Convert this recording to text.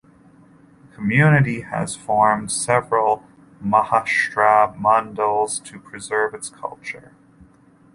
The community has formed several Maharshtra Mandals to preserve its culture.